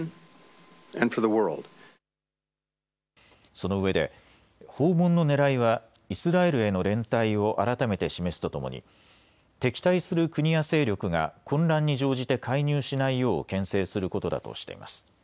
そのうえで訪問のねらいはイスラエルへの連帯を改めて示すとともに敵対する国や勢力が混乱に乗じて介入しないようけん制することだとしています。